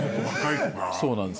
そうなんです。